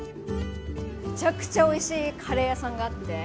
めちゃくちゃおいしいカレー屋さんがあって。